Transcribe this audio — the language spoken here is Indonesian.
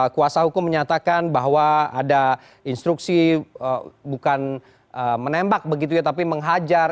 kuasa hukum menyatakan bahwa ada instruksi bukan menembak begitu ya tapi menghajar